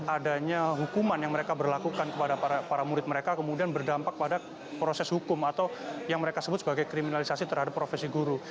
adanya hukuman yang mereka berlakukan kepada para murid mereka kemudian berdampak pada proses hukum atau yang mereka sebut sebagai kriminalisasi terhadap profesi guru